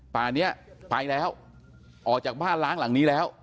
ป่านี้ไปแล้วออกจากบ้านล้างหลังนี้แล้ว